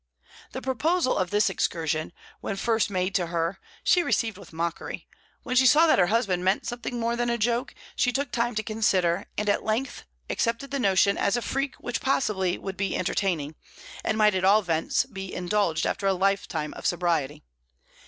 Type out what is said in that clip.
The proposal of this excursion, when first made to her, she received with mockery; when she saw that her husband meant something more than a joke, she took time to consider, and at length accepted the notion as a freak which possibly would be entertaining, and might at all events be indulged after a lifetime of sobriety.